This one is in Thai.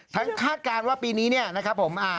ทั้งคาดการณ์ว่าปีนี้นะครับผม